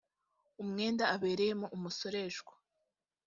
umwenda abereyemo umusoreshwa